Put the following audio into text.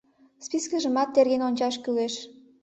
Спискыжымат терген ончаш кӱлеш.